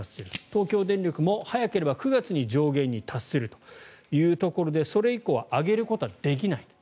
東京電力も早ければ９月に上限に達するというところでそれ以降は上げることはできないと。